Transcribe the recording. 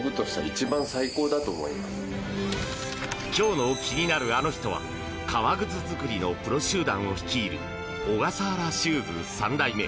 今日の気になるアノ人は革靴作りのプロ集団を率いる小笠原シューズ３代目。